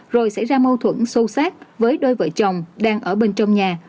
rồi xảy ra mâu thuẫn sâu sát với đôi vợ chồng đang ở bên trong nhà